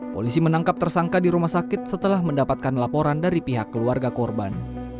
polisi menangkap tersangka di rumah sakit setelah mendapatkan laporan dari pihak keluarga korban